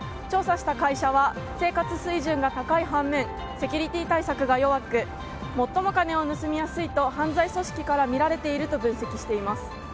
調査した会社は生活水準が高い反面セキュリティー対策が弱く最も金が盗みやすいと犯罪組織からみられていると分析しています。